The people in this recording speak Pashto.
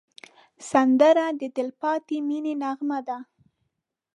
سندره د تل پاتې مینې نغمه ده